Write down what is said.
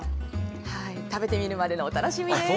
食べてみるまでのお楽しみです。